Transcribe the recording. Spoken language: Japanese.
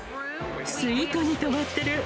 スイートに泊まってる。